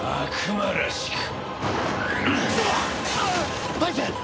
悪魔らしく。